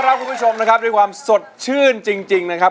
รับคุณผู้ชมนะครับด้วยความสดชื่นจริงนะครับ